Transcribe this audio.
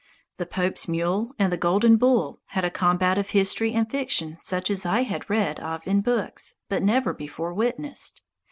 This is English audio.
"The Pope's Mule" and "The Golden Bull" had a combat of history and fiction such as I had read of in books, but never before witnessed.